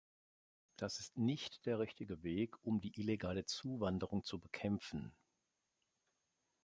Dies ist nicht der richtige Weg, um die illegale Zuwanderung zu bekämpfen.